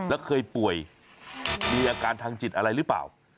แล้วเคยป่วยมีอาการทางจิตอะไรหรือเปล่า